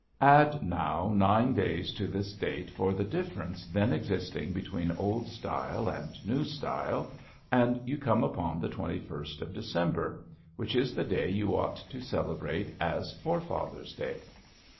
Add now nine days to this date for the difference then existing between Old Style and New Style, and you come upon the twenty first of December, which is the day you ought to celebrate as Forefathers' Day.